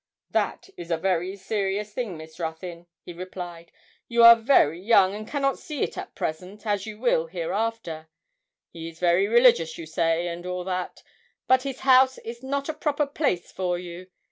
'That is a very serious thing, Miss Ruthyn,' he replied. 'You are very young, and cannot see it at present, as you will hereafter. He is very religious, you say, and all that, but his house is not a proper place for you.